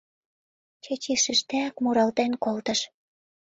Чачи шиждеак муралтен колтыш: